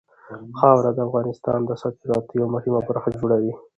خاوره د افغانستان د صادراتو یوه مهمه برخه جوړوي.